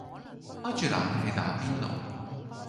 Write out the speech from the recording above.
開住冷氣打邊爐